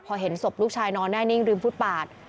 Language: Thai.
พอเห็นศพลูกชายนอนแน่นิ่งริมฟุตบาท